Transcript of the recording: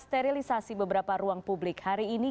sterilisasi beberapa ruang publik hari ini